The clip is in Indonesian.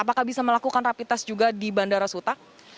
apakah bisa melakukan rapid test juga di bandara suta